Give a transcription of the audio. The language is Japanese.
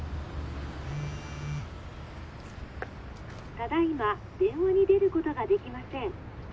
「ただいま電話に出ることができません」。